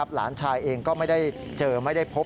หลานชายเองก็ไม่ได้เจอไม่ได้พบ